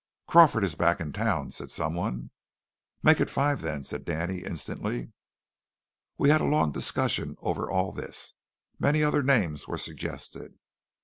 "Crawford is back in town," said some one. "Make it five then," said Danny instantly. We had a long discussion over all this. Many other names were suggested.